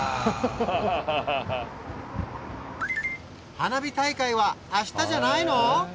花火大会は明日じゃないの？